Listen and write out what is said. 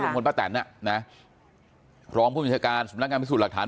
คนป้าแตนอ่ะนะรองผู้บัญชาการสำนักงานพิสูจน์หลักฐาน